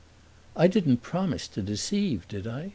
"I didn't promise to deceive, did I?